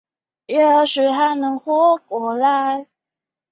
黑色素细胞中的黑色素易位是色彩改变的最主要原因。